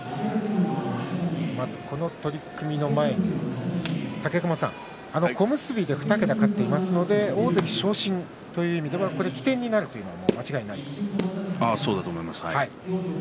まず、この取組の前に、武隈さん小結で２桁勝っていますので大関昇進という意味では起点になるというのは間違いないですかね。